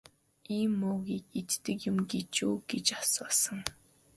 Ийм мөөгийг иддэг юм гэж үү гэж асуусан.